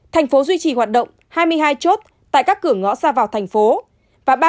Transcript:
thành phố duy trì hoạt động hai mươi hai chốt tại các cửa ngõ xa vào thành phố